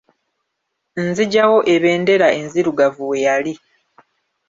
Nzigyawo ebendera enzirugavu we yali.